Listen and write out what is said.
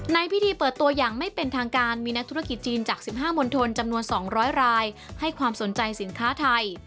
ในพิธีเปิดตัวอย่างไม่เป็นทางการมีนักธุรกิจจีนจาก๑๕มณฑลจำนวน๒๐๐รายให้ความสนใจสินค้าไทย